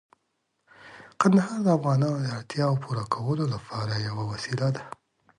کندهار د افغانانو د اړتیاوو پوره کولو لپاره یوه وسیله ده.